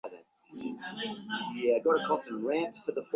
Forward লাইনের বাঁ প্রান্তে নেইমার ও ডান প্রান্তে চেলসির উইলিয়ান তো থাকছেনই।